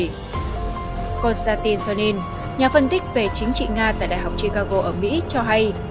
ngoài ra nhà phân tích về chính trị nga tại đại học chicago ở mỹ cho hay